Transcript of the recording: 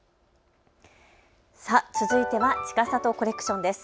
さあ続いてはちかさとコレクションです。